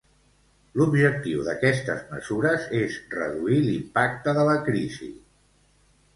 L'objectiu d'aquestes mesures és reduir l'impacte de la crisi.